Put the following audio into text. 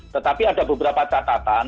tetapi ada beberapa catatan